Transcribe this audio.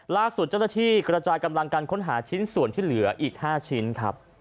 ล่าสุดเจ้าหน้าที่กระจายกำลังการค้นหาชิ้นส่วนที่เหลืออีก๕ชิ้นครับ